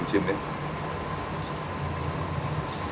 ผมชิมนิด